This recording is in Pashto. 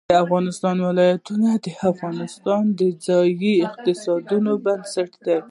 د افغانستان ولايتونه د افغانستان د ځایي اقتصادونو بنسټ دی.